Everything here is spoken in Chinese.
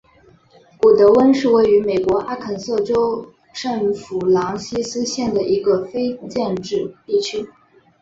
古得温是位于美国阿肯色州圣弗朗西斯县的一个非建制地区。